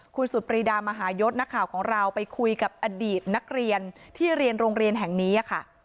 คุณสุดปรีดามหายศนักข่าวของเราไปคุยกับอดีตนักเรียนที่เรียนโรงเรียนแห่งนี้ค่ะ